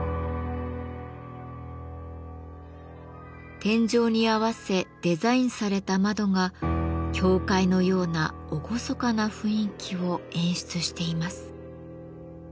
天井に合わせデザインされた窓が教会のような厳かな雰囲気を演出しています。